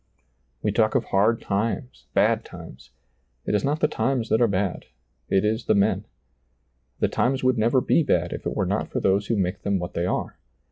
We talk of hard times, bad times ; it is not the times that are bad, it is the men. The times would never be bad if tt were not for those who make them what they are.